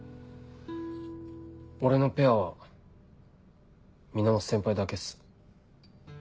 俺のペアは源先輩だけっす。